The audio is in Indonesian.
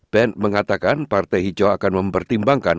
ben mengatakan partai hijau akan mempertimbangkan